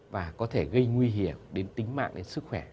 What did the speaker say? và có thể gây ra những nguồn thông tin khác nhau